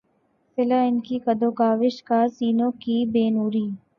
صلہ ان کی کد و کاوش کا ہے سینوں کی بے نوری